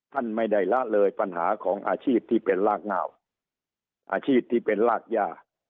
ท่านไม่ได้ละเลยปัญหาของอาชีพที่เป็นรากเง่าอาชีพที่เป็นรากย่า